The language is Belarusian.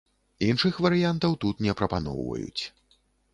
Іншых варыянтаў тут не прапаноўваюць.